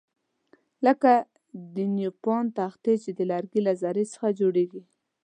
لکه د نیوپان تختې چې د لرګیو له ذرو څخه جوړیږي.